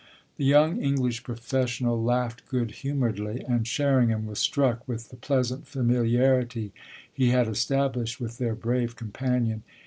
The young English professional laughed good humouredly, and Sherringham was struck with the pleasant familiarity he had established with their brave companion.